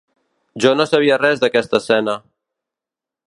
Jo no sabia res d'aquesta escena.